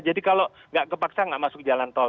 jadi kalau tidak kepaksa tidak masuk jalan tol